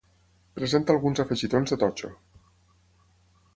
Presenta alguns afegitons de totxo.